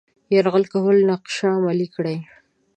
یرغل کولو نقشه عملي کړي.